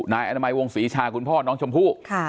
นายอนามัยวงศรีชาคุณพ่อน้องชมพู่